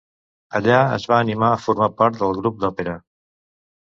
Allà, es va animar a formar part del grup d'òpera.